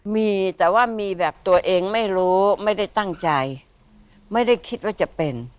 มีแต่ว่ามีแบบตัวเองไม่รู้ไม่ได้ตั้งใจไม่ได้คิดว่าจะเป็น